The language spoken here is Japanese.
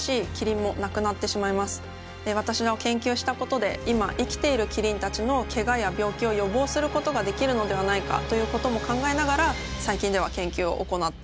私の研究したことで今生きているキリンたちのけがや病気を予防することができるのではないかということも考えながら最近では研究を行っています。